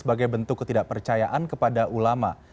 sebagai bentuk ketidakpercayaan kepada ulama